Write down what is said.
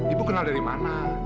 ibu kenal dari mana